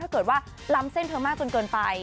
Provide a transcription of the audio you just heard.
ถ้าเอามาลำเซ่นเทอร์มากจนเกินไป